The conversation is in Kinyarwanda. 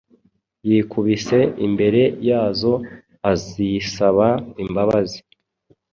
yikubise imbere yazo azisaba imbabazi.